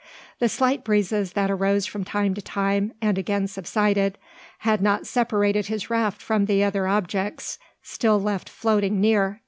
The slight breezes that arose from time to time, and again subsided, had not separated his raft from the other objects still left floating near.